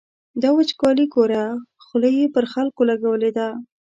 دا وچکالي ګوره، خوله یې پر خلکو لګولې ده.